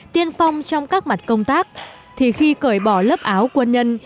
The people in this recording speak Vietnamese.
tiên phong trong các mặt công tác thì khi cởi bỏ lớp áo quân nhân